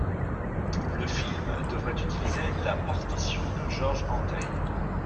Le film devait utiliser la partition de George Antheil.